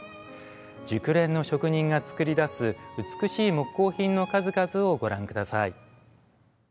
熟練の職人が作り出す美しい木工品の数々をご覧下さい。